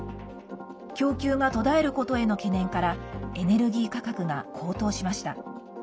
供給が途絶えることへの懸念からエネルギー価格が高騰しました。